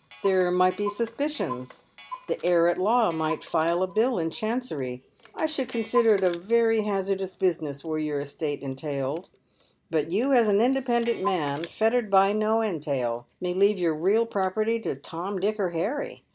There might be sus picions. The heir at law might file a bill in Chancery. I should consider it a very hazardous business were your estate entailed ; but you as an independent man, fettered by no entail, may leave your real property to Tom, Dick, or Harry.